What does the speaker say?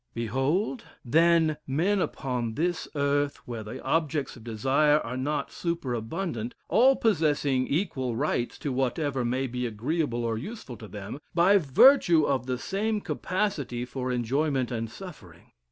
Behold? then, men upon this earth, where the objects of desire are not superabundant, all possessing equal rights to whatever may be agreeable or useful to them, by virtue of the same capacity for enjoyment and suffering.